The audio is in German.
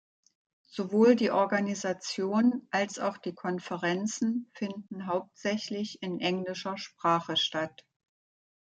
Sowohl die Organisation als auch die Konferenzen finden hauptsächlich in englischer Sprache statt.